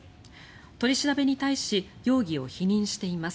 取り調べに対し容疑を否認しています。